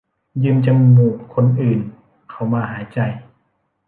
ยืมจมูกคนอื่นเขามาหายใจ